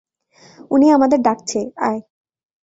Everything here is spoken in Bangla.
উনি আমাদের ডাকছে, আয়।